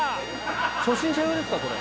初心者用ですか？